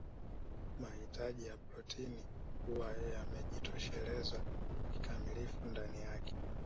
Mahitaji ya protini huwa yamejitosheleza kikamilifu ndani yake